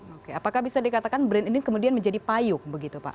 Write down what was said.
oke apakah bisa dikatakan brain ini kemudian menjadi payung begitu pak